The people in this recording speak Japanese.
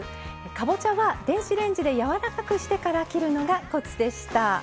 かぼちゃは電子レンジでやわらかくしてから切るのがコツでした。